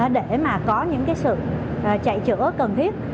để mà có những sự chạy chữa cần thiết